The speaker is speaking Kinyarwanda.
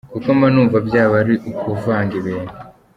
Kuko mba numva byaba ari ukuvanga ibintu.